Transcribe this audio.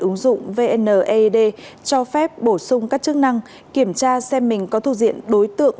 ứng dụng vnaed cho phép bổ sung các chức năng kiểm tra xem mình có thuộc diện đối tượng